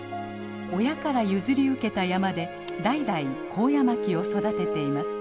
親から譲り受けた山で代々コウヤマキを育てています。